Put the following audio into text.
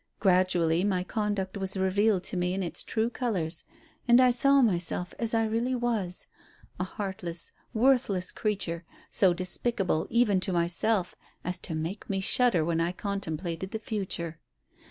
Gradually my conduct was revealed to me in its true colours, and I saw myself as I really was a heartless, worthless creature, so despicable, even to myself, as to make me shudder when I contemplated the future.